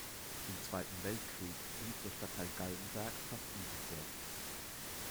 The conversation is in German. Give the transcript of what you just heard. Im Zweiten Weltkrieg blieb der Stadtteil Galgenberg fast unversehrt.